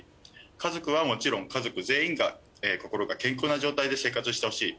家族はもちろん家族全員が心が健康な状態で生活してほしい。